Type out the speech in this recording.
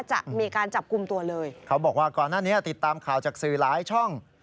จะมีการจับกลุ่มตัวเลยเขาบอกว่าก่อนหน้านี้ติดตามข่าวจากสื่อหลายช่อง